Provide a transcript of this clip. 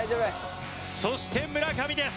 そして村上です。